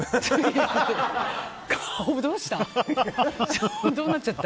顔どうした？